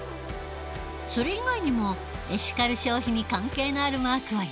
それ以外にもエシカル消費に関係のあるマークはいろいろある。